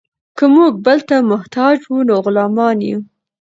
که موږ بل ته محتاج وو نو غلامان یو.